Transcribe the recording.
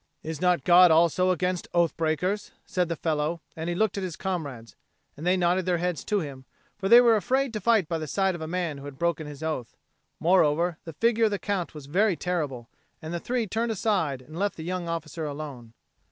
"Is not God also against oath breakers?" said the fellow, and he looked at his comrades. And they nodded their heads to him; for they were afraid to fight by the side of a man who had broken his oath. Moreover the figure of the Count was very terrible; and the three turned aside and left the young officer alone.